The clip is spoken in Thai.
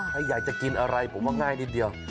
ถ้าอยากจะกินอะไรผมว่าง่ายนิดเดียว